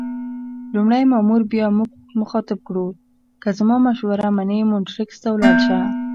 لومړي مامور بیا موږ مخاطب کړو: که زما مشوره منې مونټریکس ته ولاړ شه.